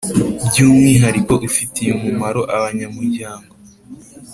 By umwihariko ufitiye umumaro abanyamuryango